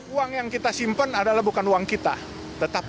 uang yang kita simpan adalah bukan uang kita